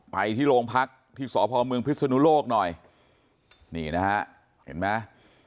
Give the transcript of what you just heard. ไปที่โรงพักที่สพเมืองพิศนุโลกหน่อยนี่นะฮะเห็นไหม